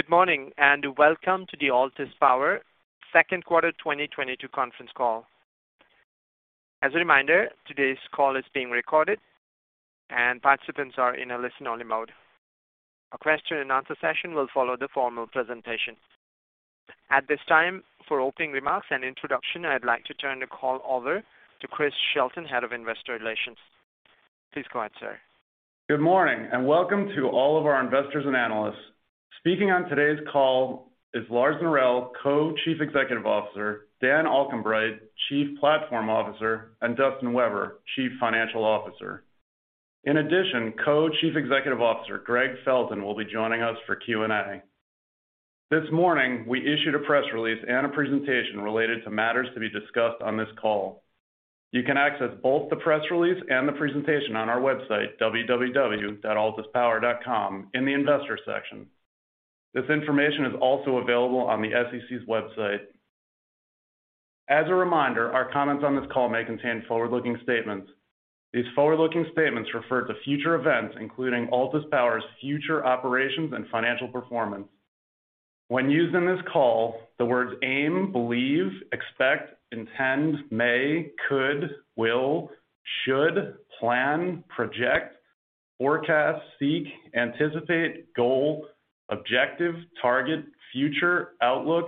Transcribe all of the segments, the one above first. Good morning, and welcome to the Altus Power Second Quarter 2022 Conference Call. As a reminder, today's call is being recorded and participants are in a listen-only mode. A question and answer session will follow the formal presentation. At this time, for opening remarks and introduction, I'd like to turn the call over to Chris Shelton, Head of Investor Relations. Please go ahead, sir. Good morning, and welcome to all of our investors and analysts. Speaking on today's call is Lars Norell, Co-Chief Executive Officer, Dan Alcombright, Chief Platform Officer, and Dustin Weber, Chief Financial Officer. In addition, Co-Chief Executive Officer Gregg Felton will be joining us for Q&A. This morning, we issued a press release and a presentation related to matters to be discussed on this call. You can access both the press release and the presentation on our website, www.altuspower.com, in the investors section. This information is also available on the SEC's website. As a reminder, our comments on this call may contain forward-looking statements. These forward-looking statements refer to future events, including Altus Power's future operations and financial performance. When used in this call, the words aim, believe, expect, intend, may, could, will, should, plan, project, forecast, seek, anticipate, goal, objective, target, future, outlook,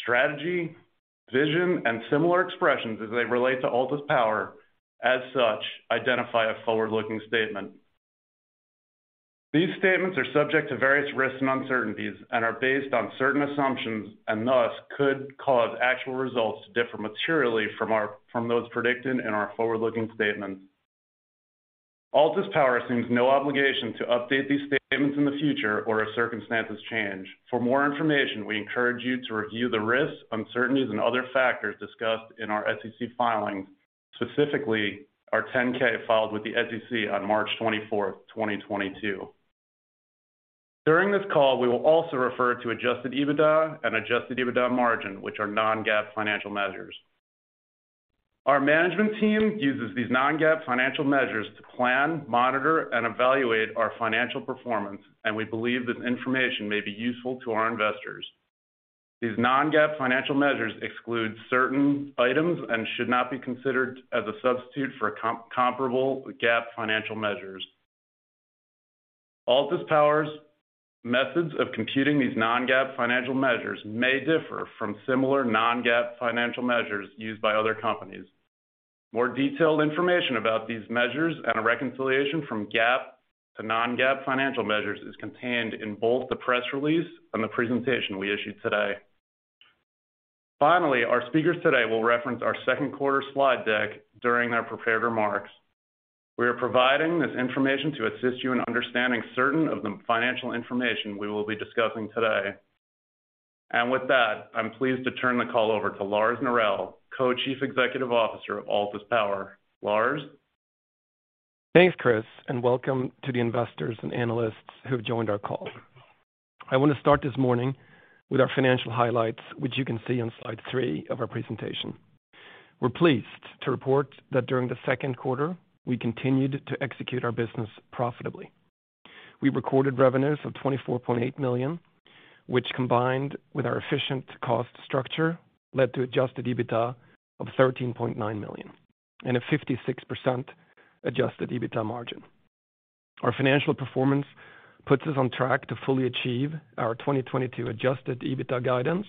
strategy, vision, and similar expressions as they relate to Altus Power as such identify a forward-looking statement. These statements are subject to various risks and uncertainties and are based on certain assumptions and, thus, could cause actual results to differ materially from those predicted in our forward-looking statements. Altus Power assumes no obligation to update these statements in the future or as circumstances change. For more information, we encourage you to review the risks, uncertainties, and other factors discussed in our SEC filings, specifically our 10-K filed with the SEC on March 24th, 2022. During this call, we will also refer to Adjusted EBITDA and Adjusted EBITDA margin, which are non-GAAP financial measures. Our management team uses these non-GAAP financial measures to plan, monitor, and evaluate our financial performance, and we believe this information may be useful to our investors. These non-GAAP financial measures exclude certain items and should not be considered as a substitute for comparable GAAP financial measures. Altus Power's methods of computing these non-GAAP financial measures may differ from similar non-GAAP financial measures used by other companies. More detailed information about these measures and a reconciliation from GAAP to non-GAAP financial measures is contained in both the press release and the presentation we issued today. Finally, our speakers today will reference our second quarter slide deck during their prepared remarks. We are providing this information to assist you in understanding certain of the financial information we will be discussing today. With that, I'm pleased to turn the call over to Lars Norell, Co-Chief Executive Officer of Altus Power. Lars? Thanks, Chris, and welcome to the investors and analysts who have joined our call. I want to start this morning with our financial highlights, which you can see on slide three of our presentation. We're pleased to report that during the second quarter, we continued to execute our business profitably. We recorded revenues of $24.8 million, which, combined with our efficient cost structure, led to adjusted EBITDA of $13.9 million and a 56% adjusted EBITDA margin. Our financial performance puts us on track to fully achieve our 2022 adjusted EBITDA guidance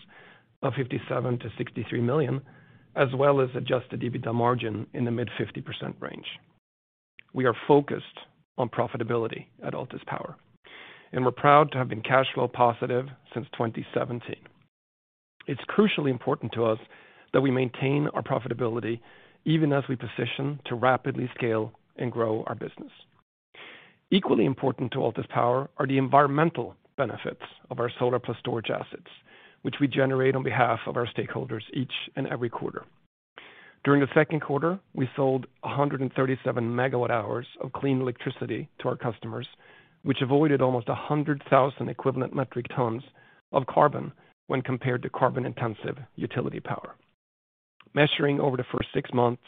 of $57 million-$63 million, as well as adjusted EBITDA margin in the mid-50% range. We are focused on profitability at Altus Power, and we're proud to have been cash flow positive since 2017. It's crucially important to us that we maintain our profitability even as we position to rapidly scale and grow our business. Equally important to Altus Power are the environmental benefits of our solar-plus storage assets, which we generate on behalf of our stakeholders each and every quarter. During the second quarter, we sold 137 MWh of clean electricity to our customers, which avoided almost 100,000 equivalent metric tons of carbon when compared to carbon-intensive utility power. Measuring over the first six months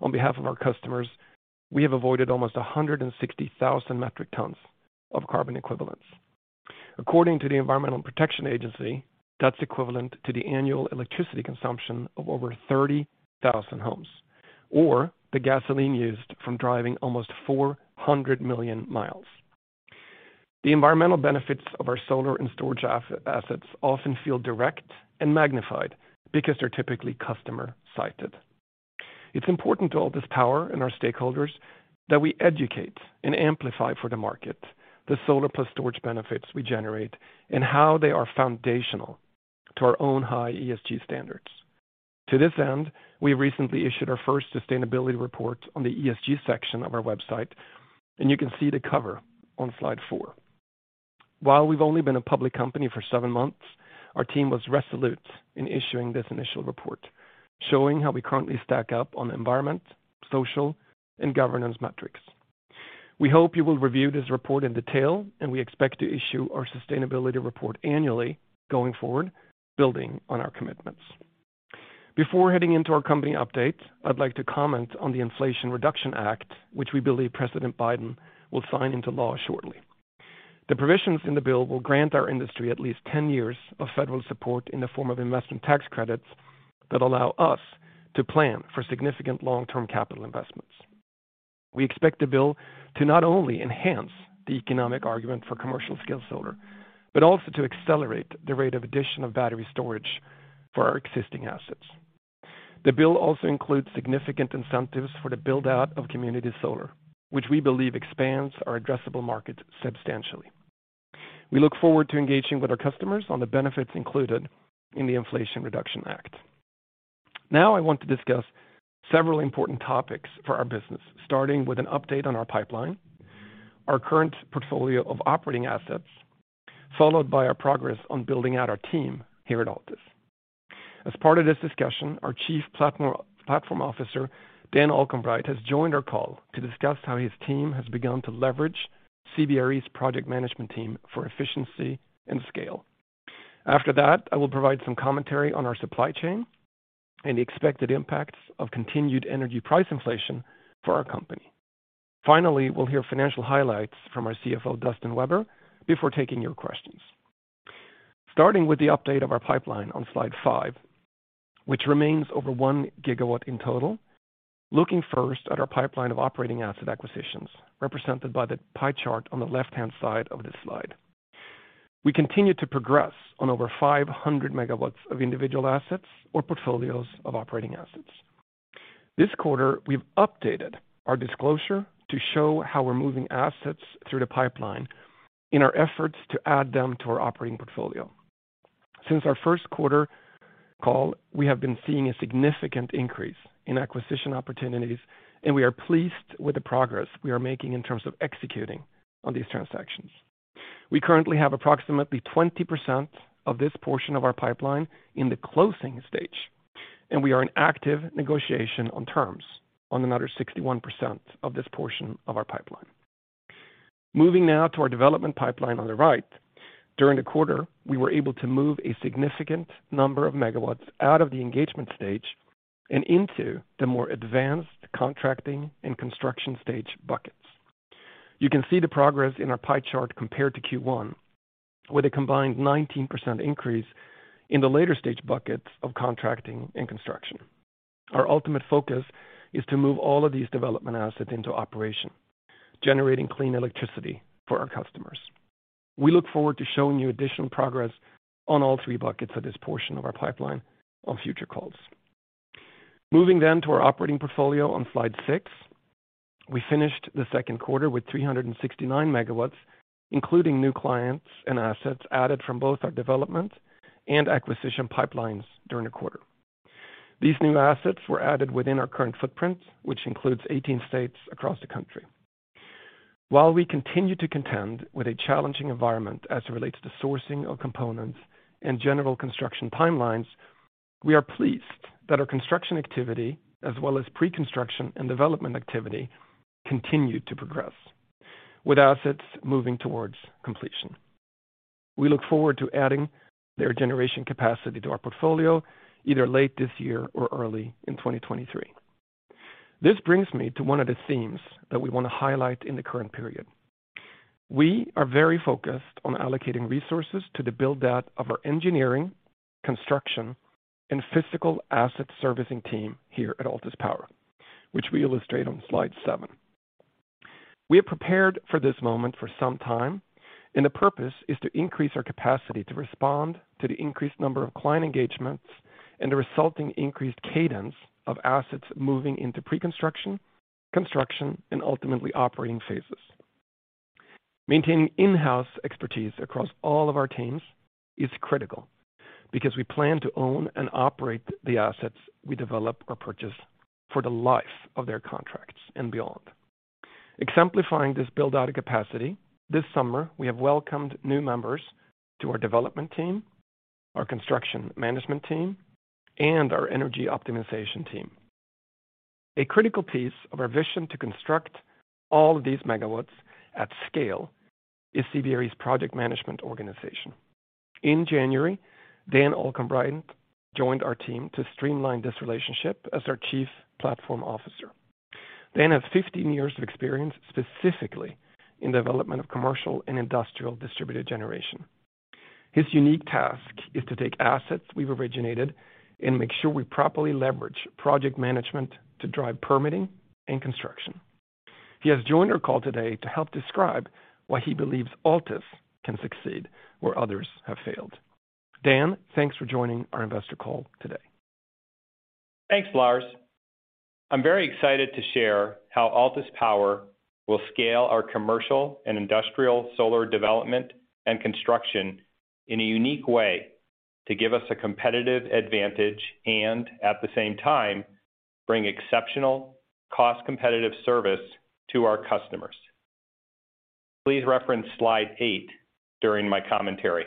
on behalf of our customers, we have avoided almost 160,000 metric tons of carbon equivalents. According to the Environmental Protection Agency, that's equivalent to the annual electricity consumption of over 30,000 homes or the gasoline used from driving almost 400 million miles. The environmental benefits of our solar and storage assets often feel direct and magnified because they're typically customer sited. It's important to Altus Power and our stakeholders that we educate and amplify for the market the solar plus storage benefits we generate and how they are foundational to our own high ESG standards. To this end, we recently issued our first sustainability report on the ESG section of our website, and you can see the cover on slide four. While we've only been a public company for seven months, our team was resolute in issuing this initial report, showing how we currently stack up on environment, social, and governance metrics. We hope you will review this report in detail, and we expect to issue our sustainability report annually going forward, building on our commitments. Before heading into our company update, I'd like to comment on the Inflation Reduction Act, which we believe President Biden will sign into law shortly. The provisions in the bill will grant our industry at least 10 years of federal support in the form of investment tax credits that allow us to plan for significant long-term capital investments. We expect the bill to not only enhance the economic argument for commercial-scale solar, but also to accelerate the rate of addition of battery storage for our existing assets. The bill also includes significant incentives for the build-out of community solar, which we believe expands our addressable market substantially. We look forward to engaging with our customers on the benefits included in the Inflation Reduction Act. Now I want to discuss several important topics for our business, starting with an update on our pipeline, our current portfolio of operating assets, followed by our progress on building out our team here at Altus. As part of this discussion, our Chief Platform Officer, Dan Alcombright, has joined our call to discuss how his team has begun to leverage CBRE's project management team for efficiency and scale. After that, I will provide some commentary on our supply chain and the expected impacts of continued energy price inflation for our company. Finally, we'll hear financial highlights from our CFO, Dustin Weber, before taking your questions. Starting with the update of our pipeline on slide five, which remains over 1 GW in total. Looking first at our pipeline of operating asset acquisitions, represented by the pie chart on the left-hand side of this slide. We continue to progress on over 500 MW of individual assets or portfolios of operating assets. This quarter, we've updated our disclosure to show how we're moving assets through the pipeline in our efforts to add them to our operating portfolio. Since our first quarter call, we have been seeing a significant increase in acquisition opportunities, and we are pleased with the progress we are making in terms of executing on these transactions. We currently have approximately 20% of this portion of our pipeline in the closing stage, and we are in active negotiation on terms on another 61% of this portion of our pipeline. Moving now to our development pipeline on the right. During the quarter, we were able to move a significant number of megawatts out of the engagement stage and into the more advanced contracting and construction stage buckets. You can see the progress in our pie chart compared to Q1, with a combined 19% increase in the later stage buckets of contracting and construction. Our ultimate focus is to move all of these development assets into operation, generating clean electricity for our customers. We look forward to showing you additional progress on all three buckets of this portion of our pipeline on future calls. Moving to our operating portfolio on slide six. We finished the second quarter with 369 MW, including new clients and assets added from both our development and acquisition pipelines during the quarter. These new assets were added within our current footprint, which includes 18 states across the country. While we continue to contend with a challenging environment as it relates to sourcing of components and general construction timelines, we are pleased that our construction activity, as well as pre-construction and development activity, continued to progress, with assets moving towards completion. We look forward to adding their generation capacity to our portfolio either late this year or early in 2023. This brings me to one of the themes that we want to highlight in the current period. We are very focused on allocating resources to the build-out of our engineering, construction, and physical asset servicing team here at Altus Power, which we illustrate on slide seven. We are prepared for this moment for some time, and the purpose is to increase our capacity to respond to the increased number of client engagements and the resulting increased cadence of assets moving into pre-construction, construction, and ultimately operating phases. Maintaining in-house expertise across all of our teams is critical, because we plan to own and operate the assets we develop or purchase for the life of their contracts and beyond. Exemplifying this build-out of capacity, this summer, we have welcomed new members to our development team, our construction management team, and our energy optimization team. A critical piece of our vision to construct all of these megawatts at scale is CBRE's project management organization. In January, Dan Alcombright joined our team to streamline this relationship as our Chief Platform Officer. Dan has 15 years of experience, specifically in development of commercial and industrial distributed generation. His unique task is to take assets we've originated and make sure we properly leverage project management to drive permitting and construction. He has joined our call today to help describe why he believes Altus can succeed where others have failed. Dan, thanks for joining our investor call today. Thanks, Lars. I'm very excited to share how Altus Power will scale our commercial and industrial solar development and construction in a unique way to give us a competitive advantage and, at the same time, bring exceptional cost-competitive service to our customers. Please reference slide eight during my commentary.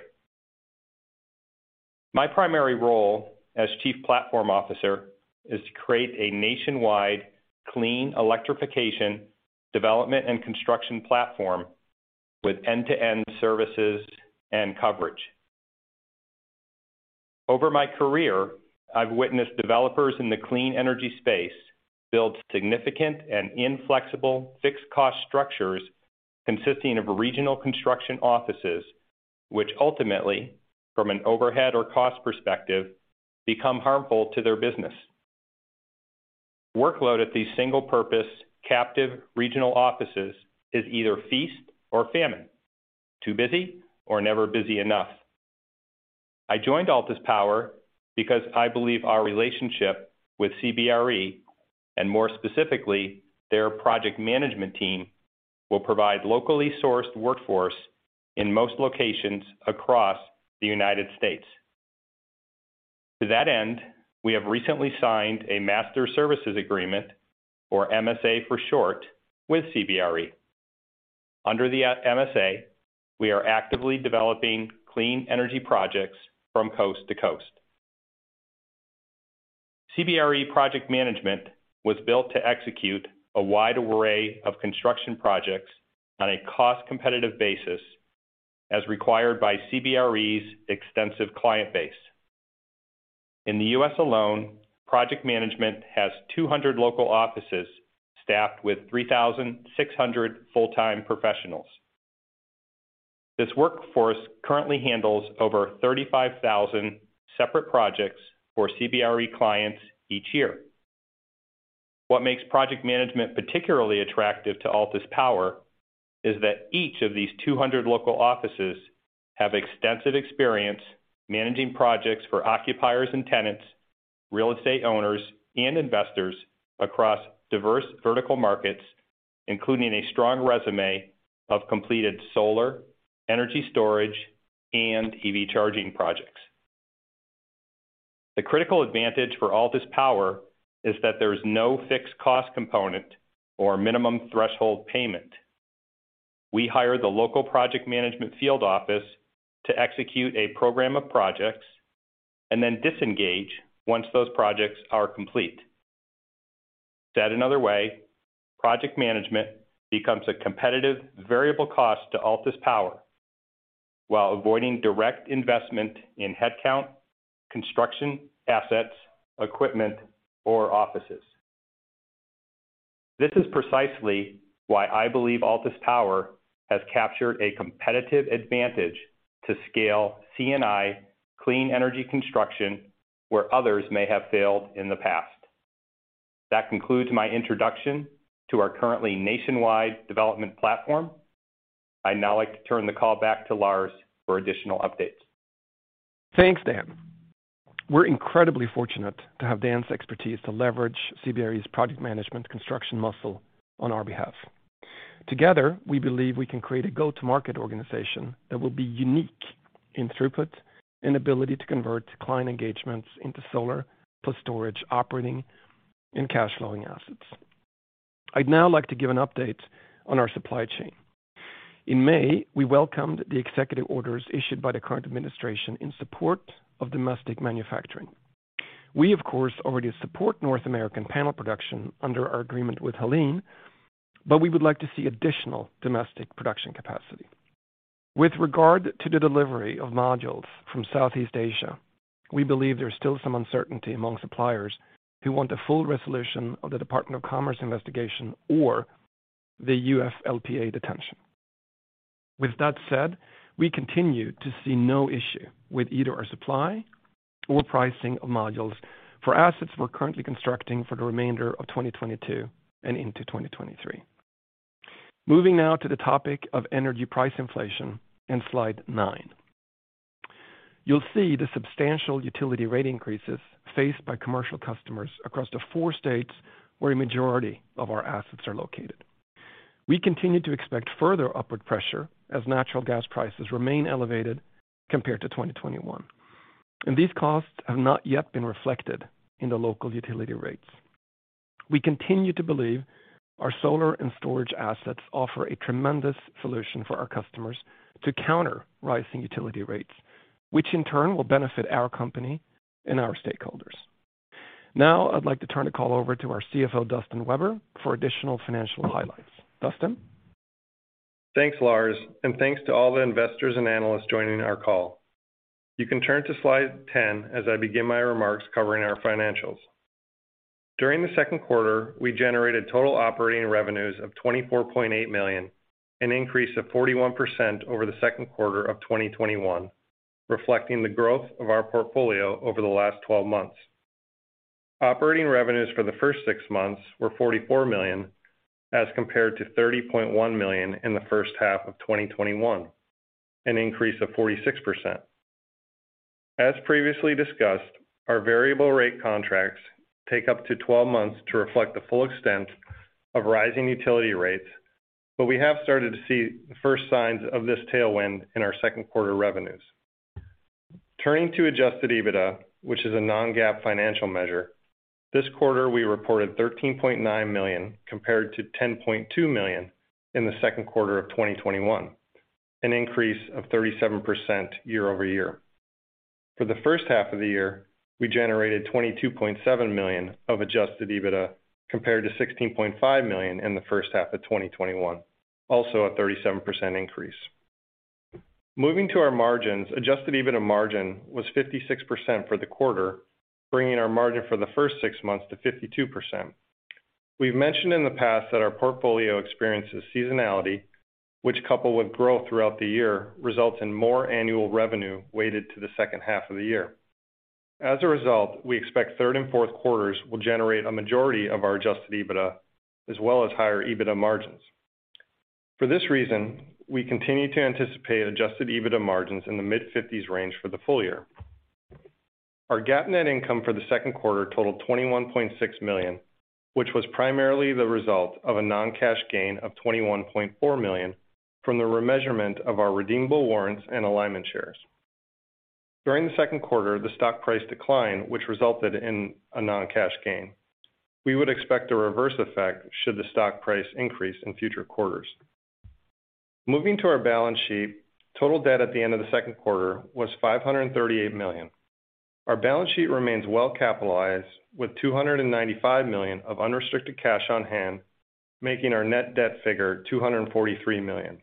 My primary role as Chief Platform Officer is to create a nationwide clean electrification development and construction platform with end-to-end services and coverage. Over my career, I've witnessed developers in the clean energy space build significant and inflexible fixed cost structures consisting of regional construction offices, which ultimately, from an overhead or cost perspective, become harmful to their business. Workload at these single purpose, captive regional offices is either feast or famine, too busy or never busy enough. I joined Altus Power because I believe our relationship with CBRE, and more specifically, their project management team, will provide locally sourced workforce in most locations across the United States. To that end, we have recently signed a master services agreement, or MSA for short, with CBRE. Under the MSA, we are actively developing clean energy projects from coast to coast. CBRE project management was built to execute a wide array of construction projects on a cost-competitive basis, as required by CBRE's extensive client base. In the U.S. alone, project management has 200 local offices staffed with 3,600 full-time professionals. This workforce currently handles over 35,000 separate projects for CBRE clients each year. What makes project management particularly attractive to Altus Power is that each of these 200 local offices have extensive experience managing projects for occupiers and tenants, real estate owners, and investors across diverse vertical markets, including a strong resume of completed solar, energy storage, and EV charging projects. The critical advantage for Altus Power is that there's no fixed cost component or minimum threshold payment. We hire the local project management field office to execute a program of projects, and then disengage once those projects are complete. Said another way, project management becomes a competitive variable cost to Altus Power while avoiding direct investment in headcount, construction assets, equipment, or offices. This is precisely why I believe Altus Power has captured a competitive advantage to scale C&I clean energy construction, where others may have failed in the past. That concludes my introduction to our currently nationwide development platform. I’d now like to turn the call back to Lars for additional updates. Thanks, Dan. We're incredibly fortunate to have Dan's expertise to leverage CBRE's project management construction muscle on our behalf. Together, we believe we can create a go-to-market organization that will be unique in throughput and ability to convert client engagements into solar plus storage, operating, and cash flowing assets. I'd now like to give an update on our supply chain. In May, we welcomed the executive orders issued by the current administration in support of domestic manufacturing. We, of course, already support North American panel production under our agreement with Heliene, but we would like to see additional domestic production capacity. With regard to the delivery of modules from Southeast Asia, we believe there's still some uncertainty among suppliers who want a full resolution of the Department of Commerce investigation or the UFLPA detention. With that said, we continue to see no issue with either our supply or pricing of modules for assets we're currently constructing for the remainder of 2022 and into 2023. Moving now to the topic of energy price inflation in slide nine. You'll see the substantial utility rate increases faced by commercial customers across the four states where a majority of our assets are located. We continue to expect further upward pressure as natural gas prices remain elevated compared to 2021, and these costs have not yet been reflected in the local utility rates. We continue to believe our solar and storage assets offer a tremendous solution for our customers to counter rising utility rates, which in turn will benefit our company and our stakeholders. Now, I'd like to turn the call over to our CFO, Dustin Weber, for additional financial highlights. Dustin? Thanks, Lars, and thanks to all the investors and analysts joining our call. You can turn to slide 10 as I begin my remarks covering our financials. During the second quarter, we generated total operating revenues of $24.8 million, an increase of 41% over the second quarter of 2021, reflecting the growth of our portfolio over the last 12 months. Operating revenues for the first six months were $44 million as compared to $30.1 million in the first half of 2021, an increase of 46%. As previously discussed, our variable rate contracts take up to 12 months to reflect the full extent of rising utility rates, but we have started to see the first signs of this tailwind in our second quarter revenues. Turning to Adjusted EBITDA, which is a non-GAAP financial measure, this quarter we reported $13.9 million compared to $10.2 million in the second quarter of 2021, an increase of 37% year-over-year. For the first half of the year, we generated $22.7 million of Adjusted EBITDA compared to $16.5 million in the first half of 2021, also a 37% increase. Moving to our margins, Adjusted EBITDA margin was 56% for the quarter, bringing our margin for the first six months to 52%. We've mentioned in the past that our portfolio experiences seasonality, which, coupled with growth throughout the year, results in more annual revenue weighted to the second half of the year. As a result, we expect third and fourth quarters will generate a majority of our Adjusted EBITDA as well as higher EBITDA margins. For this reason, we continue to anticipate Adjusted EBITDA margins in the mid-50s range for the full year. Our GAAP net income for the second quarter totaled $21.6 million, which was primarily the result of a non-cash gain of $21.4 million from the remeasurement of our redeemable warrants and alignment shares. During the second quarter, the stock price declined, which resulted in a non-cash gain. We would expect a reverse effect should the stock price increase in future quarters. Moving to our balance sheet, total debt at the end of the second quarter was $538 million. Our balance sheet remains well capitalized with $295 million of unrestricted cash on hand, making our net debt figure $243 million.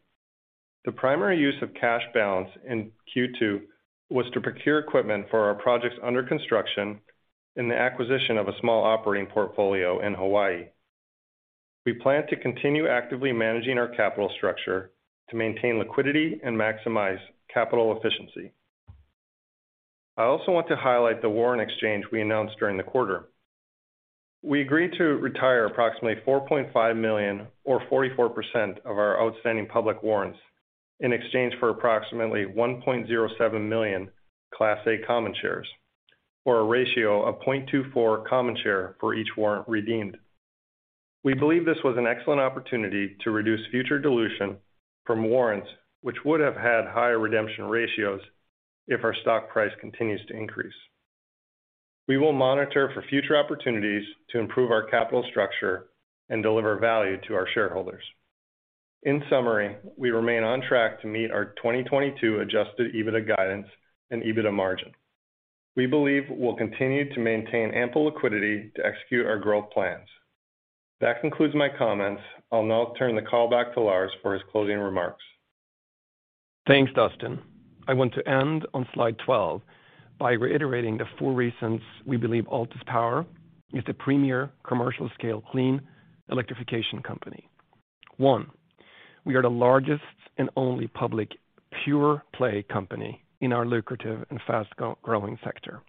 The primary use of cash balance in Q2 was to procure equipment for our projects under construction and the acquisition of a small operating portfolio in Hawaii. We plan to continue actively managing our capital structure to maintain liquidity and maximize capital efficiency. I also want to highlight the warrant exchange we announced during the quarter. We agreed to retire approximately $4.5 million or 44% of our outstanding public warrants in exchange for approximately $1.07 million Class A common shares or a ratio of 0.24 common share for each warrant redeemed. We believe this was an excellent opportunity to reduce future dilution from warrants, which would have had higher redemption ratios if our stock price continues to increase. We will monitor for future opportunities to improve our capital structure and deliver value to our shareholders. In summary, we remain on track to meet our 2022 Adjusted EBITDA guidance and EBITDA margin. We believe we'll continue to maintain ample liquidity to execute our growth plans. That concludes my comments. I'll now turn the call back to Lars for his closing remarks. Thanks, Dustin. I want to end on slide 12 by reiterating the four reasons we believe Altus Power is the premier commercial-scale clean electrification company. One, we are the largest and only public pure-play company in our lucrative and fast-growing sector.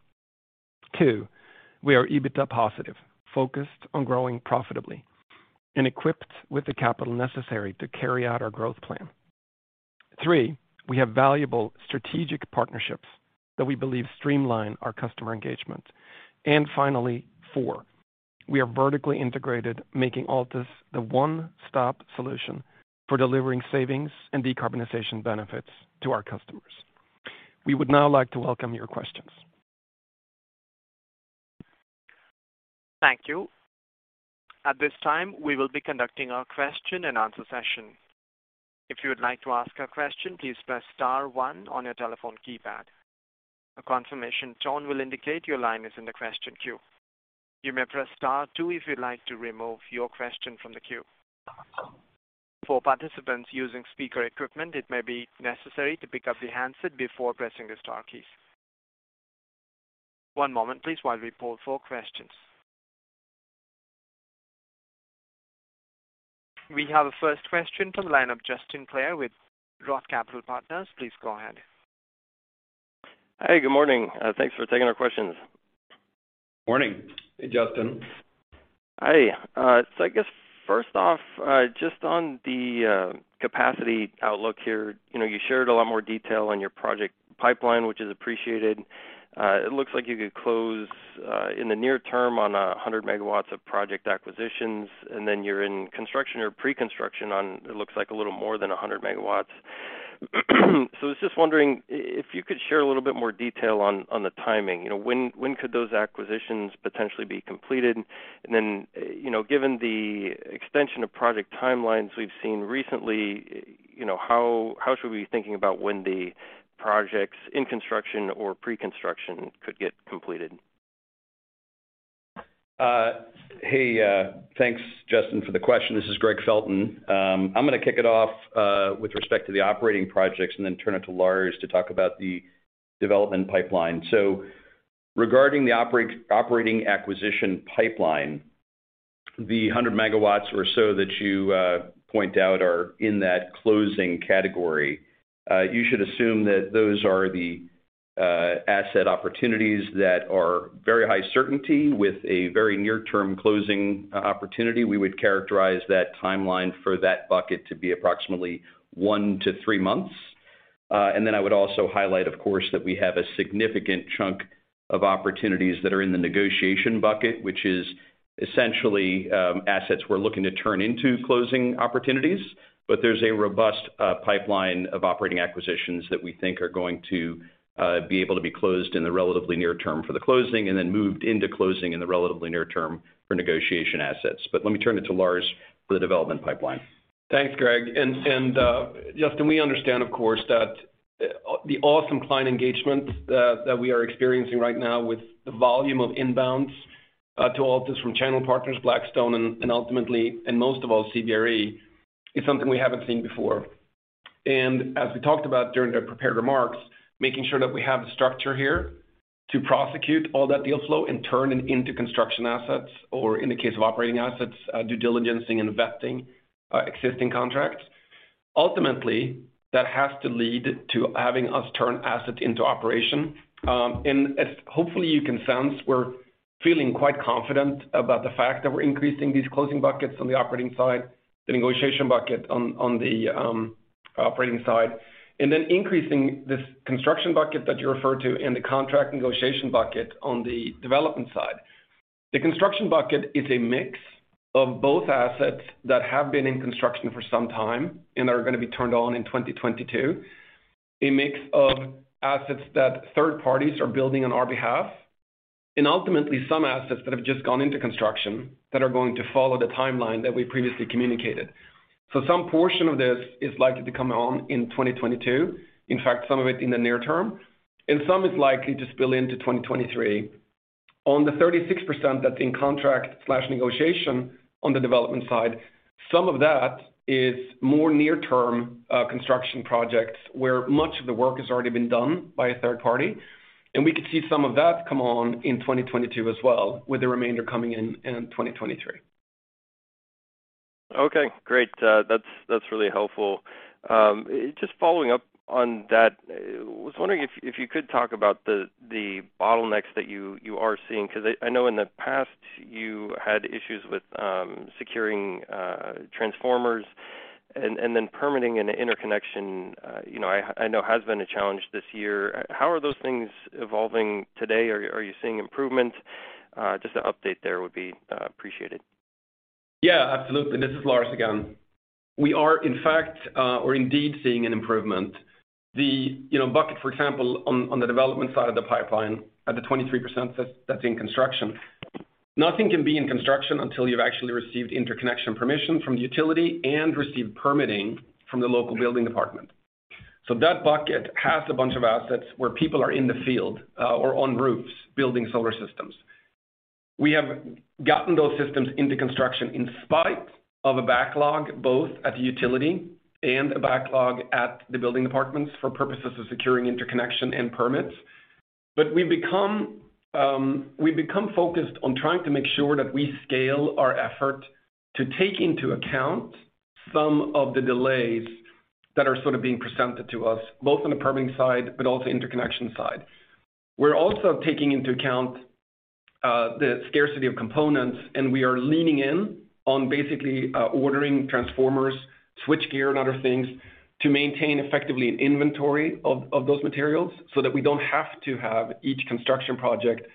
Two, we are EBITDA positive, focused on growing profitably, and equipped with the capital necessary to carry out our growth plan. Three, we have valuable strategic partnerships that we believe streamline our customer engagement. And finally, four, we are vertically integrated, making Altus the one-stop solution for delivering savings and decarbonization benefits to our customers. We would now like to welcome your questions. Thank you. At this time, we will be conducting our question and answer session. If you would like to ask a question, please press star one on your telephone keypad. A confirmation tone will indicate your line is in the question queue. You may press star two if you'd like to remove your question from the queue. For participants using speaker equipment, it may be necessary to pick up the handset before pressing the star keys. One moment please while we pull for questions. We have a first question from the line of Justin Clare with Roth Capital Partners. Please go ahead. Hey, good morning. Thanks for taking our questions. Morning. Hey, Justin. Hi. I guess first off, just on the capacity outlook here, you know, you shared a lot more detail on your project pipeline, which is appreciated. It looks like you could close in the near term on 100 MW of project acquisitions, and then you're in construction or pre-construction on it looks like a little more than 100 MW. I was just wondering if you could share a little bit more detail on the timing. You know, when could those acquisitions potentially be completed? Then, you know, given the extension of project timelines we've seen recently, you know, how should we be thinking about when the projects in construction or pre-construction could get completed? Hey, thanks, Justin, for the question. This is Gregg Felton. I'm going to kick it off with respect to the operating projects and then turn it to Lars to talk about the development pipeline. Regarding the operating acquisition pipeline, the 100 MW or so that you point out are in that closing category, you should assume that those are the asset opportunities that are very high certainty with a very near-term closing opportunity. We would characterize that timeline for that bucket to be approximately one to three months. I would also highlight, of course, that we have a significant chunk of opportunities that are in the negotiation bucket, which is essentially assets we're looking to turn into closing opportunities. There's a robust pipeline of operating acquisitions that we think are going to be able to be closed in the relatively near term and then moved into closing in the relatively near term for origination assets. Let me turn it to Lars for the development pipeline. Thanks, Gregg. Justin, we understand, of course, that the awesome client engagement that we are experiencing right now with the volume of inbounds. To all of this from channel partners, Blackstone, and ultimately, and most of all CBRE, is something we haven't seen before. As we talked about during the prepared remarks, making sure that we have the structure here to prosecute all that deal flow and turn it into construction assets or in the case of operating assets, due diligencing and investing, existing contracts. Ultimately, that has to lead to having us turn assets into operation. As hopefully you can sense, we're feeling quite confident about the fact that we're increasing these closing buckets on the operating side, the negotiation bucket on the operating side, and then increasing this construction bucket that you referred to in the contract negotiation bucket on the development side. The construction bucket is a mix of both assets that have been in construction for some time and are going to be turned on in 2022. A mix of assets that third parties are building on our behalf, and ultimately, some assets that have just gone into construction that are going to follow the timeline that we previously communicated. Some portion of this is likely to come on in 2022, in fact, some of it in the near term, and some is likely to spill into 2023. On the 36% that's in contract/negotiation on the development side, some of that is more near term, construction projects where much of the work has already been done by a third party. We could see some of that come on in 2022 as well, with the remainder coming in in 2023. Okay, great. That's really helpful. Just following up on that, was wondering if you could talk about the bottlenecks that you are seeing. Because I know in the past you had issues with securing transformers and then permitting an interconnection, you know, I know has been a challenge this year. How are those things evolving today? Are you seeing improvement? Just an update there would be appreciated. Yeah, absolutely. This is Lars again. We are in fact, or indeed seeing an improvement. The bucket, for example, on the development side of the pipeline at the 23% that's in construction. Nothing can be in construction until you've actually received interconnection permission from the utility and received permitting from the local building department. That bucket has a bunch of assets where people are in the field, or on roofs building solar systems. We have gotten those systems into construction in spite of a backlog, both at the utility and a backlog at the building departments for purposes of securing interconnection and permits. We've become focused on trying to make sure that we scale our effort to take into account some of the delays that are sort of being presented to us, both on the permitting side, but also interconnection side. We're also taking into account the scarcity of components, and we are leaning in on basically ordering transformers, switchgear, and other things to maintain effectively an inventory of those materials so that we don't have to have each construction project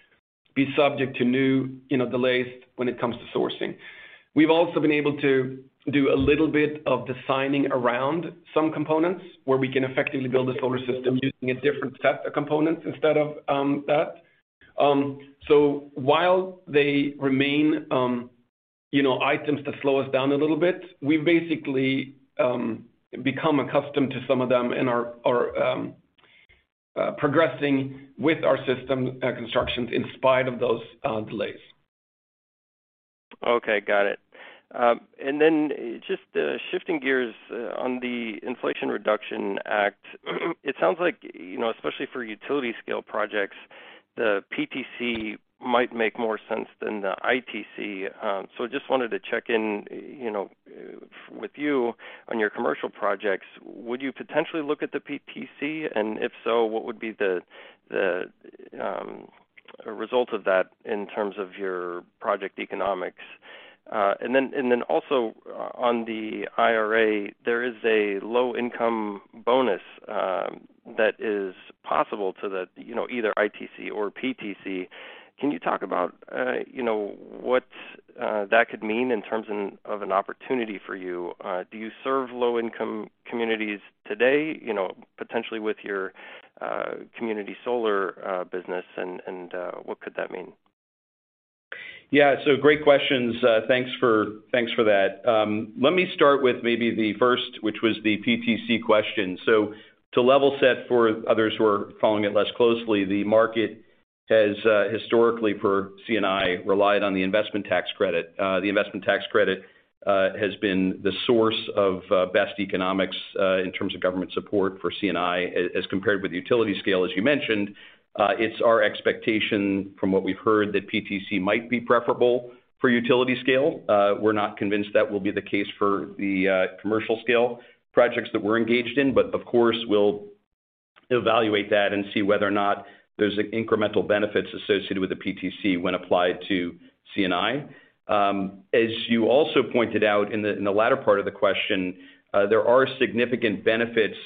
be subject to new, you know, delays when it comes to sourcing. We've also been able to do a little bit of designing around some components where we can effectively build a solar system using a different set of components instead of that. While they remain, you know, items to slow us down a little bit, we've basically become accustomed to some of them and are progressing with our system constructions in spite of those delays. Okay, got it. Just shifting gears on the Inflation Reduction Act. It sounds like, you know, especially for utility scale projects, the PTC might make more sense than the ITC. So just wanted to check in, you know, with you on your commercial projects. Would you potentially look at the PTC? And if so, what would be the result of that in terms of your project economics? Also on the IRA, there is a low income bonus that is possible to the, you know, either ITC or PTC. Can you talk about, you know, what that could mean in terms of an opportunity for you? Do you serve low income communities today, you know, potentially with your community solar business and what could that mean? Yeah. Great questions. Thanks for that. Let me start with maybe the first, which was the PTC question. To level set for others who are following it less closely, the market has historically for C&I relied on the investment tax credit. The investment tax credit has been the source of best economics in terms of government support for C&I as compared with utility scale, as you mentioned. It's our expectation from what we've heard that PTC might be preferable for utility scale. We're not convinced that will be the case for the commercial scale projects that we're engaged in, but of course, we'll evaluate that and see whether or not there's incremental benefits associated with the PTC when applied to C&I. As you also pointed out in the latter part of the question, there are significant benefits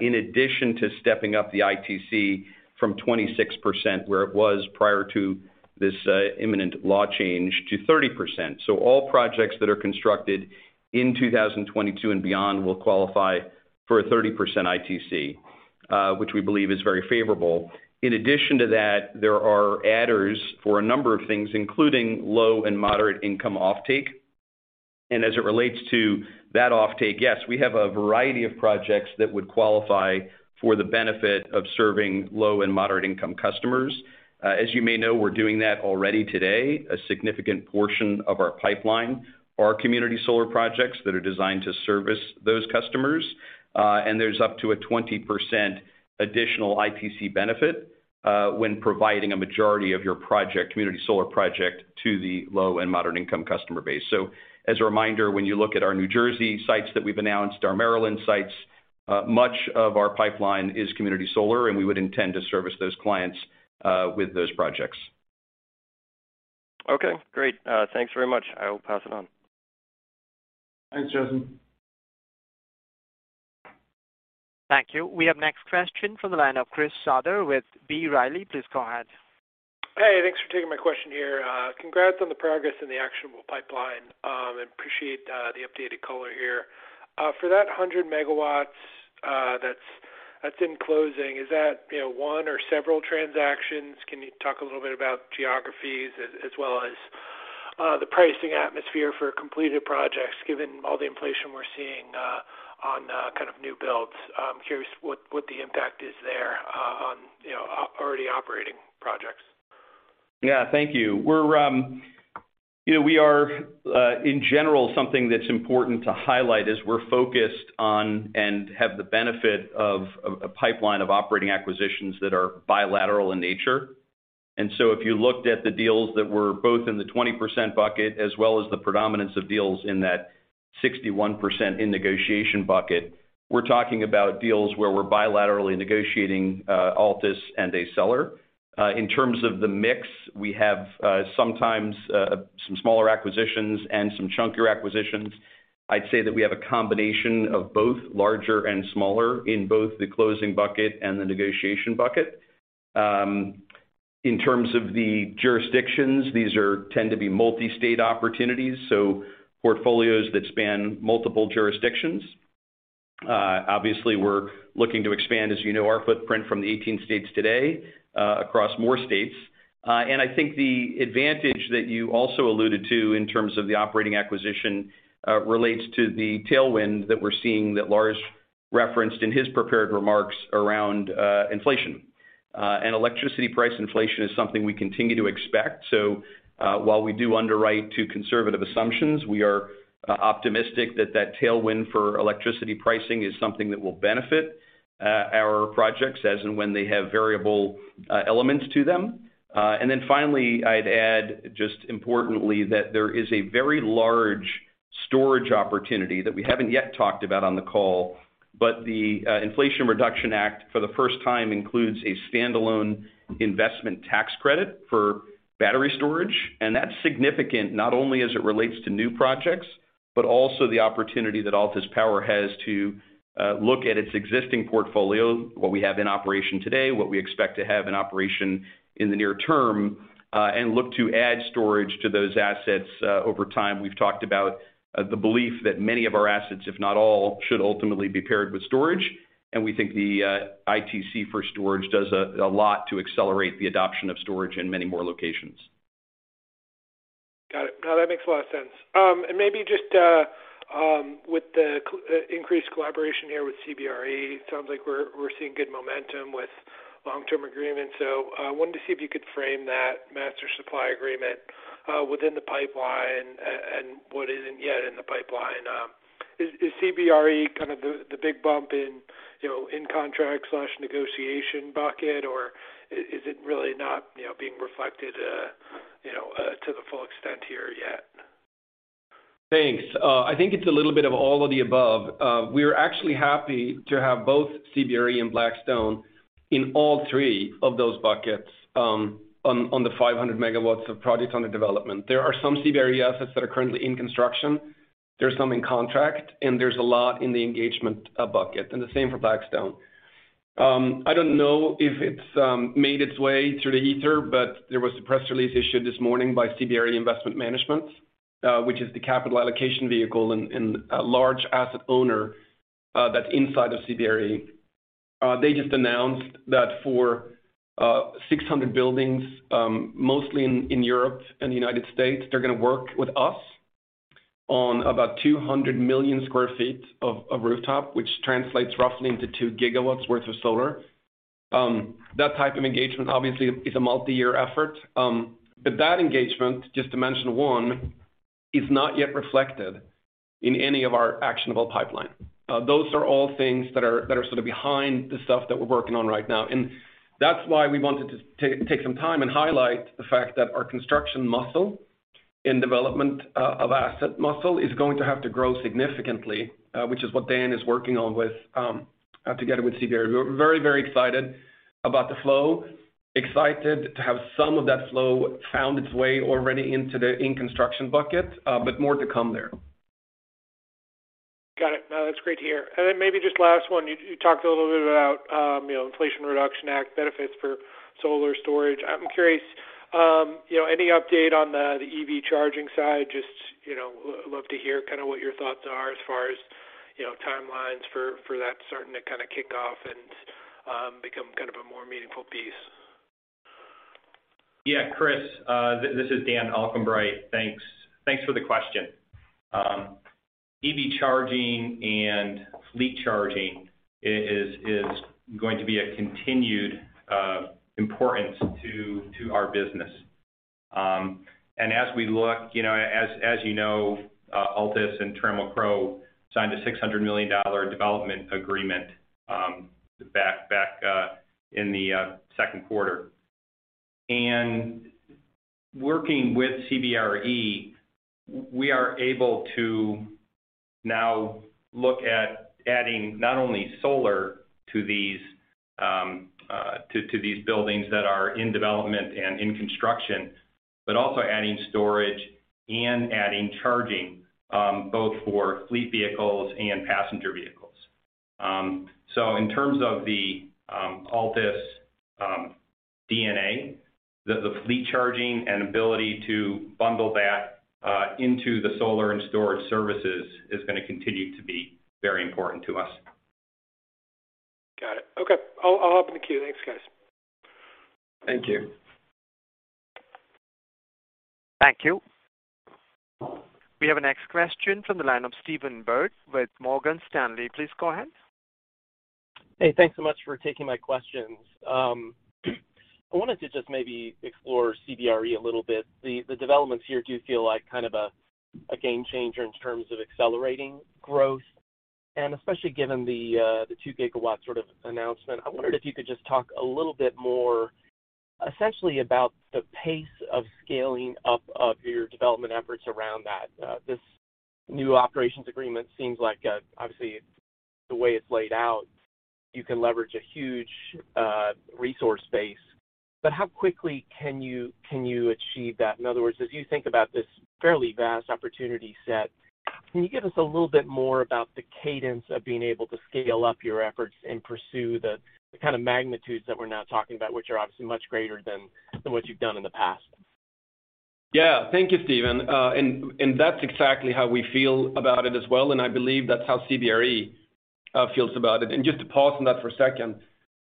in addition to stepping up the ITC from 26%, where it was prior to this imminent law change to 30%. All projects that are constructed in 2022 and beyond will qualify for a 30% ITC, which we believe is very favorable. In addition to that, there are adders for a number of things, including low and moderate income offtake. As it relates to that offtake, yes, we have a variety of projects that would qualify for the benefit of serving low and moderate income customers. As you may know, we're doing that already today. A significant portion of our pipeline are community solar projects that are designed to service those customers. There's up to a 20% additional ITC benefit when providing a majority of your project, community solar project to the low and moderate income customer base. As a reminder, when you look at our New Jersey sites that we've announced, our Maryland sites, much of our pipeline is community solar, and we would intend to service those clients with those projects. Okay, great. Thanks very much. I will pass it on. Thanks, Justin. Thank you. We have next question from the line of Christopher Souther with B. Riley. Please go ahead. Hey, thanks for taking my question here. Congrats on the progress in the actionable pipeline, and appreciate the updated color here. For that 100 MW, that's in closing, is that, you know, one or several transactions? Can you talk a little bit about geographies as well as the pricing atmosphere for completed projects, given all the inflation we're seeing on kind of new builds? I'm curious what the impact is there, you know, already operating projects. Yeah, thank you. We're, you know, we are, in general, something that's important to highlight is we're focused on and have the benefit of a pipeline of operating acquisitions that are bilateral in nature. If you looked at the deals that were both in the 20% bucket as well as the predominance of deals in that 61% in negotiation bucket, we're talking about deals where we're bilaterally negotiating, Altus and a seller. In terms of the mix, we have, sometimes, some smaller acquisitions and some chunkier acquisitions. I'd say that we have a combination of both larger and smaller in both the closing bucket and the negotiation bucket. In terms of the jurisdictions, these tend to be multi-state opportunities, so portfolios that span multiple jurisdictions. Obviously, we're looking to expand, as you know, our footprint from the 18 states today, across more states. I think the advantage that you also alluded to in terms of the operating acquisition relates to the tailwind that we're seeing that Lars referenced in his prepared remarks around inflation. Electricity price inflation is something we continue to expect. While we do underwrite to conservative assumptions, we are optimistic that that tailwind for electricity pricing is something that will benefit our projects as and when they have variable elements to them. Finally, I'd add just importantly that there is a very large storage opportunity that we haven't yet talked about on the call. The Inflation Reduction Act, for the first time, includes a standalone investment tax credit for battery storage. That's significant not only as it relates to new projects, but also the opportunity that Altus Power has to look at its existing portfolio, what we have in operation today, what we expect to have in operation in the near term, and look to add storage to those assets over time. We've talked about the belief that many of our assets, if not all, should ultimately be paired with storage, and we think the ITC for storage does a lot to accelerate the adoption of storage in many more locations. Got it. No, that makes a lot of sense. Maybe just with the increased collaboration here with CBRE, sounds like we're seeing good momentum with long-term agreements. Wanted to see if you could frame that master supply agreement within the pipeline and what isn't yet in the pipeline. Is CBRE kind of the big bump in, you know, in contract negotiation bucket, or is it really not, you know, being reflected, you know, to the full extent here yet? Thanks. I think it's a little bit of all of the above. We're actually happy to have both CBRE and Blackstone in all three of those buckets, on the 500 MW of projects under development. There are some CBRE assets that are currently in construction. There's some in contract, and there's a lot in the engagement bucket, and the same for Blackstone. I don't know if it's made its way through the ether, but there was a press release issued this morning by CBRE Investment Management, which is the capital allocation vehicle and a large asset owner that's inside of CBRE. They just announced that for 600 buildings, mostly in Europe and the United States, they're going to work with us on about 200 million sq ft of rooftop, which translates roughly into 2 GW worth of solar. That type of engagement obviously is a multi-year effort. That engagement, just to mention one, is not yet reflected in any of our actionable pipeline. Those are all things that are sort of behind the stuff that we're working on right now. That's why we wanted to take some time and highlight the fact that our construction muscle and development of asset muscle is going to have to grow significantly, which is what Dan Alcombright is working on with together with CBRE. We're very, very excited about the flow, excited to have some of that flow found its way already into the in-construction bucket, but more to come there. Got it. No, that's great to hear. Then maybe just last one. You talked a little bit about, you know, Inflation Reduction Act benefits for solar storage. I'm curious, you know, any update on the EV charging side? Just, you know, love to hear kind of what your thoughts are as far as, you know, timelines for that starting to kind of kick off and become kind of a more meaningful piece. Yeah, Chris, this is Dan Alcombright. Thanks for the question. EV charging and fleet charging is going to be a continued importance to our business. As we look, you know, as you know, Altus and Trammell Crow signed a $600 million development agreement back in the second quarter. Working with CBRE, we are able to now look at adding not only solar to these buildings that are in development and in construction, but also adding storage and adding charging both for fleet vehicles and passenger vehicles. In terms of the Altus DNA, the fleet charging and ability to bundle that into the solar and storage services is going to continue to be very important to us. Got it. Okay. I'll hop in the queue. Thanks, guys. Thank you. Thank you. We have our next question from the line of Stephen Byrd with Morgan Stanley. Please go ahead. Hey, thanks so much for taking my questions. I wanted to just maybe explore CBRE a little bit. The developments here do feel like kind of a game changer in terms of accelerating growth, and especially given the 2 GW sort of announcement. I wondered if you could just talk a little bit more essentially about the pace of scaling up of your development efforts around that. This new operations agreement seems like obviously the way it's laid out, you can leverage a huge resource base. But how quickly can you achieve that? In other words, as you think about this fairly vast opportunity set, can you give us a little bit more about the cadence of being able to scale up your efforts and pursue the kind of magnitudes that we're now talking about, which are obviously much greater than what you've done in the past? Yeah. Thank you, Stephen. That's exactly how we feel about it as well, and I believe that's how CBRE feels about it. Just to pause on that for a second.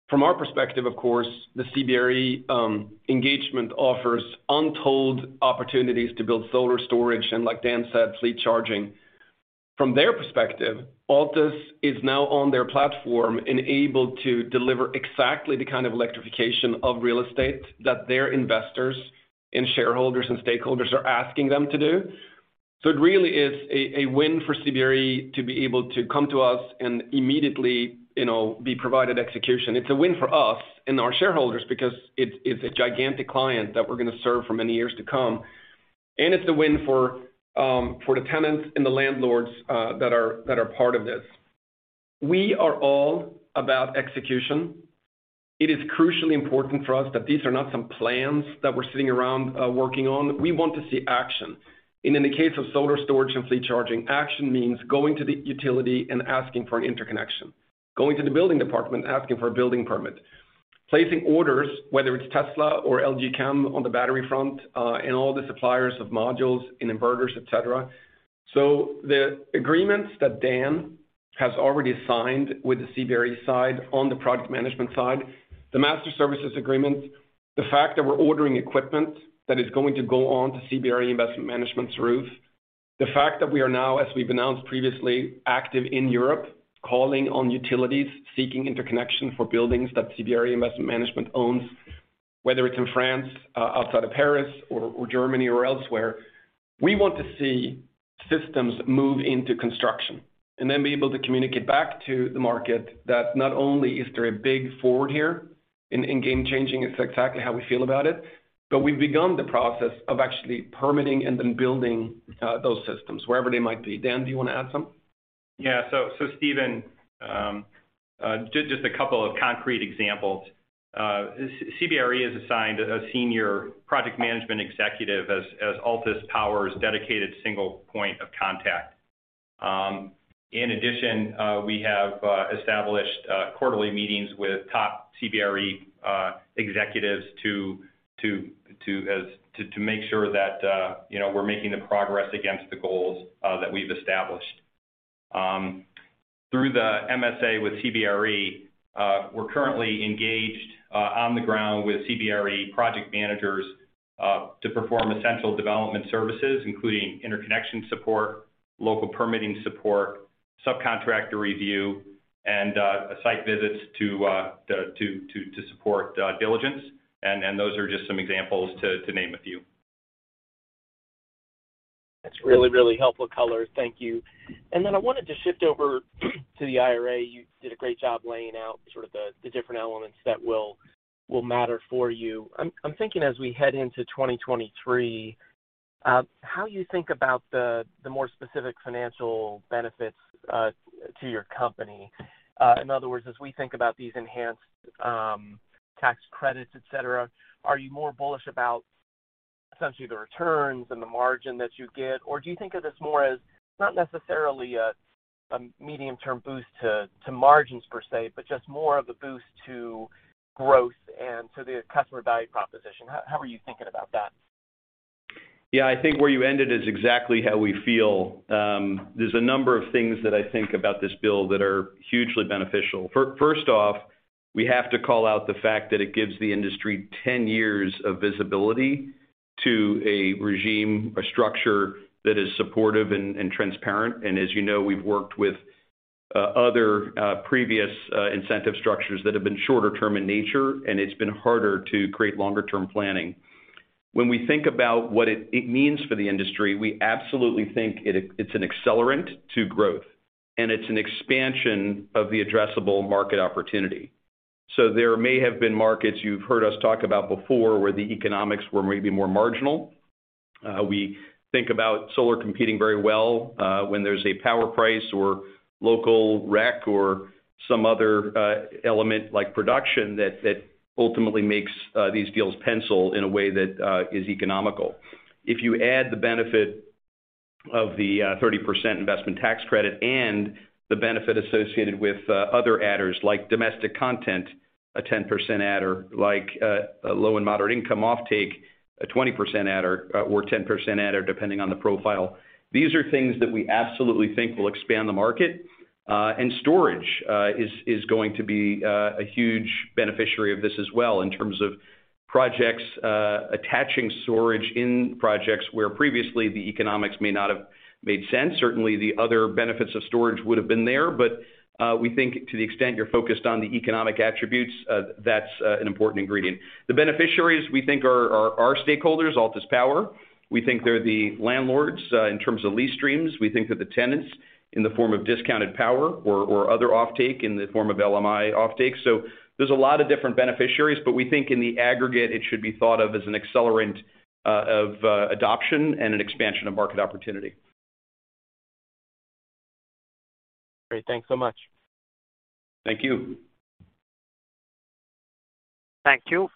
From our perspective, of course, the CBRE engagement offers untold opportunities to build solar storage and, like Dan said, fleet charging. From their perspective, Altus is now on their platform and able to deliver exactly the kind of electrification of real estate that their investors and shareholders and stakeholders are asking them to do. It really is a win for CBRE to be able to come to us and immediately, you know, be provided execution. It's a win for us and our shareholders because it's a gigantic client that we're going to serve for many years to come. It's a win for the tenants and the landlords that are part of this. We are all about execution. It is crucially important for us that these are not some plans that we're sitting around working on. We want to see action. In the case of solar storage and fleet charging, action means going to the utility and asking for an interconnection, going to the building department, asking for a building permit, placing orders, whether it's Tesla or LG Chem on the battery front, and all the suppliers of modules and inverters, et cetera. The agreements that Dan has already signed with the CBRE side on the project management side, the master services agreement, the fact that we're ordering equipment that is going to go on to CBRE Investment Management's roof, the fact that we are now, as we've announced previously, active in Europe, calling on utilities, seeking interconnection for buildings that CBRE Investment Management owns, whether it's in France, outside of Paris or Germany or elsewhere, we want to see systems move into construction and then be able to communicate back to the market that not only is there a big forward here in game changing, it's exactly how we feel about it, but we've begun the process of actually permitting and then building those systems wherever they might be. Dan, do you want to add some? Yeah. Stephen, just a couple of concrete examples. CBRE has assigned a senior project management executive as Altus Power's dedicated single point of contact. In addition, we have established quarterly meetings with top CBRE executives to make sure that, you know, we're making the progress against the goals that we've established. Through the MSA with CBRE, we're currently engaged on the ground with CBRE project managers to perform essential development services, including interconnection support, local permitting support, subcontractor review, and site visits to support diligence. Those are just some examples to name a few. That's really, really helpful color. Thank you. I wanted to shift over to the IRA. You did a great job laying out sort of the different elements that will matter for you. I'm thinking as we head into 2023, how you think about the more specific financial benefits to your company. In other words, as we think about these enhanced tax credits, et cetera, are you more bullish about essentially the returns and the margin that you get? Or do you think of this more as not necessarily a medium-term boost to margins per se, but just more of a boost to growth and to the customer value proposition? How are you thinking about that? Yeah, I think where you ended is exactly how we feel. There's a number of things that I think about this bill that are hugely beneficial. First off, we have to call out the fact that it gives the industry 10 years of visibility to a regime, a structure that is supportive and transparent. As you know, we've worked with other previous incentive structures that have been shorter term in nature, and it's been harder to create longer term planning. When we think about what it means for the industry, we absolutely think it's an accelerant to growth, and it's an expansion of the addressable market opportunity. There may have been markets you've heard us talk about before, where the economics were maybe more marginal. We think about solar competing very well when there's a power price or local REC or some other element like production that ultimately makes these deals pencil in a way that is economical. If you add the benefit of the 30% investment tax credit and the benefit associated with other adders like domestic content, a 10% adder, like low and moderate income offtake, a 20% adder or 10% adder, depending on the profile. These are things that we absolutely think will expand the market. Storage is going to be a huge beneficiary of this as well in terms of projects attaching storage in projects where previously the economics may not have made sense. Certainly, the other benefits of storage would have been there, but we think to the extent you're focused on the economic attributes, that's an important ingredient. The beneficiaries, we think, are our stakeholders, Altus Power. We think they're the landlords in terms of lease streams. We think that the tenants in the form of discounted power or other offtake in the form of LMI offtake. There's a lot of different beneficiaries, but we think in the aggregate, it should be thought of as an accelerant of adoption and an expansion of market opportunity. Great. Thanks so much. Thank you. Thank you.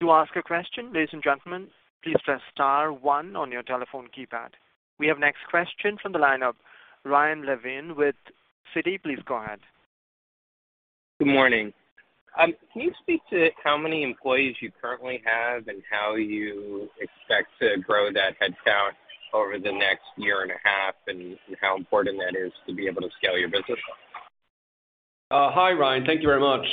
To ask a question, ladies and gentlemen, please press star one on your telephone keypad. We have next question from the line of Ryan Levine with Citi. Please go ahead. Good morning. Can you speak to how many employees you currently have and how you expect to grow that headcount over the next year and a half and how important that is to be able to scale your business? Hi, Ryan. Thank you very much.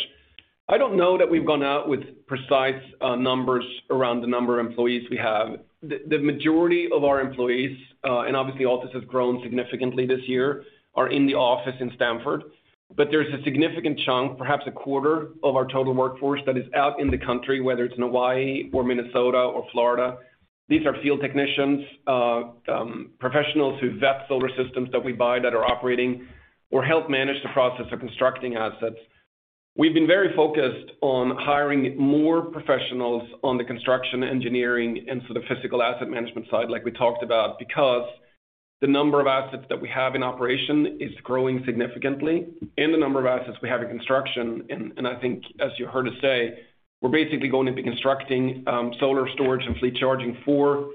I don't know that we've gone out with precise numbers around the number of employees we have. The majority of our employees, and obviously, Altus has grown significantly this year, are in the office in Stamford. There's a significant chunk, perhaps a quarter of our total workforce that is out in the country, whether it's in Hawaii or Minnesota or Florida. These are field technicians, professionals who vet solar systems that we buy that are operating or help manage the process of constructing assets. We've been very focused on hiring more professionals on the construction, engineering, and sort of physical asset management side like we talked about, because the number of assets that we have in operation is growing significantly and the number of assets we have in construction. I think as you heard us say, we're basically going to be constructing solar storage and fleet charging for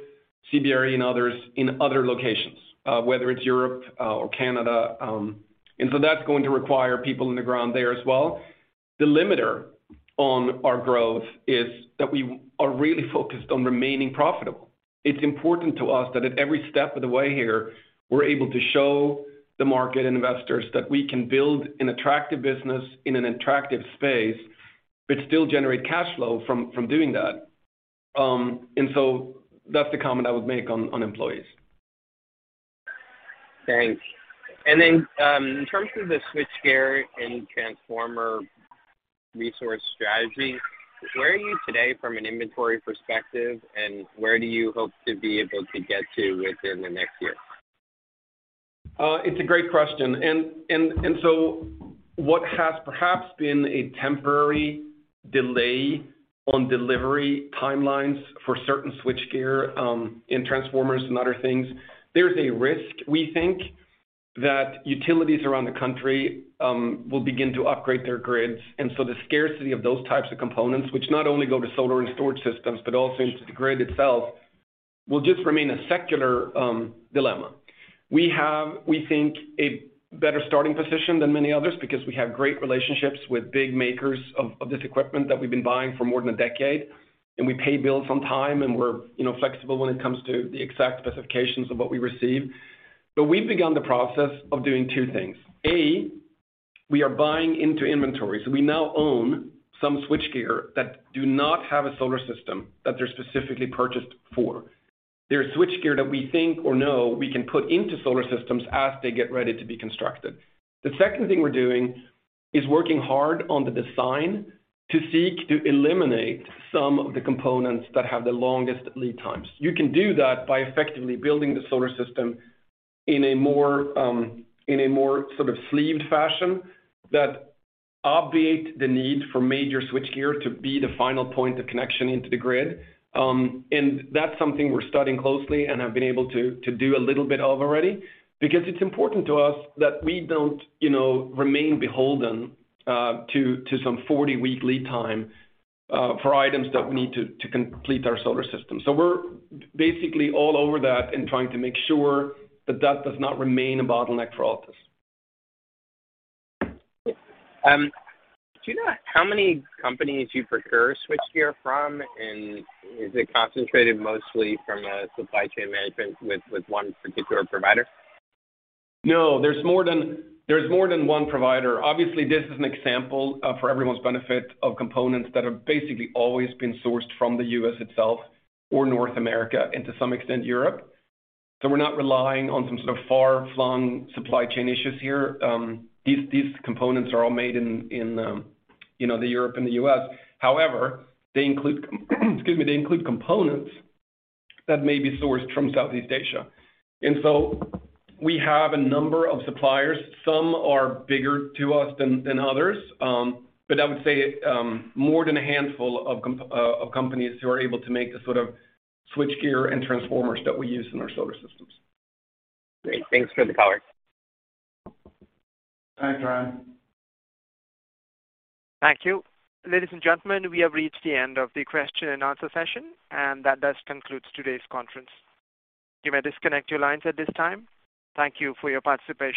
CBRE and others in other locations, whether it's Europe or Canada. That's going to require people on the ground there as well. The limiter on our growth is that we are really focused on remaining profitable. It's important to us that at every step of the way here, we're able to show the market and investors that we can build an attractive business in an attractive space, but still generate cash flow from doing that. That's the comment I would make on employees. Thanks. In terms of the switchgear and transformer resource strategy, where are you today from an inventory perspective, and where do you hope to be able to get to within the next year? It's a great question. What has perhaps been a temporary delay on delivery timelines for certain switchgear and transformers and other things. There's a risk, we think, that utilities around the country will begin to upgrade their grids. The scarcity of those types of components, which not only go to solar and storage systems, but also into the grid itself, will just remain a secular dilemma. We have, we think, a better starting position than many others because we have great relationships with big makers of this equipment that we've been buying for more than a decade, and we pay bills on time, and we're, you know, flexible when it comes to the exact specifications of what we receive. We've begun the process of doing two things. We are buying into inventory, so we now own some switchgear that do not have a solar system that they're specifically purchased for. They're switchgear that we think or know we can put into solar systems as they get ready to be constructed. The second thing we're doing is working hard on the design to seek to eliminate some of the components that have the longest lead times. You can do that by effectively building the solar system in a more sort of sleeved fashion that obviate the need for major switchgear to be the final point of connection into the grid. That's something we're studying closely and have been able to do a little bit of already because it's important to us that we don't, you know, remain beholden to some 40-week lead time for items that we need to complete our solar system. We're basically all over that and trying to make sure that that does not remain a bottleneck for Altus. Do you know how many companies you procure switchgear from? Is it concentrated mostly from a supply chain management with one particular provider? No, there's more than one provider. Obviously, this is an example for everyone's benefit of components that have basically always been sourced from the U.S. itself or North America, and to some extent, Europe. We're not relying on some sort of far-flung supply chain issues here. These components are all made in, you know, Europe and the U.S. However, they include components that may be sourced from Southeast Asia. We have a number of suppliers. Some are bigger to us than others. I would say more than a handful of companies who are able to make the sort of switchgear and transformers that we use in our solar systems. Great. Thanks for the color. Thanks, Ryan. Thank you. Ladies and gentlemen, we have reached the end of the question and answer session, and that does conclude today's conference. You may disconnect your lines at this time. Thank you for your participation.